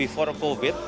bahkan sebelum covid